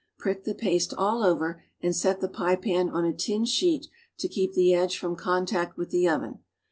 Prick the paste all over and set the pie pan on a tin sheet to keep the edge from contact with the oven.